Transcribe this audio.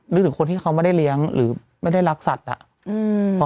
หรือคนที่เขาไม่ได้เลี้ยงหรือไม่ได้รักสัตว์อ่ะ